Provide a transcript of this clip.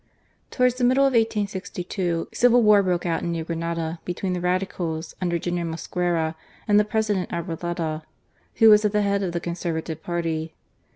Towards the middle of 1862, civil war broke out in New Granada between the Radicals under General ■ Mosquera and the President Arboleda, who was at the head of the Conservative party.